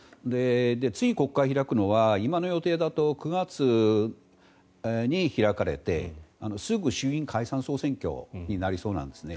次に国会を開くのは今の予定だと９月に開かれてすぐ衆議院解散・総選挙になりそうなんですね。